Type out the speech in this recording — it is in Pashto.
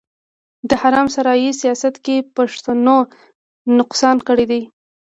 د حرم سرای سياست کې پښتنو نقصان کړی دی.